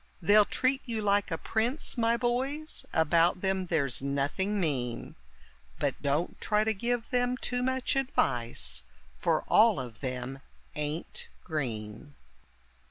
They'll treat you like a prince, my boys, about them there's nothing mean; But don't try to give them too much advice, for all of them ain't green.